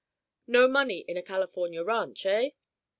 "No money in a California ranch, eh?"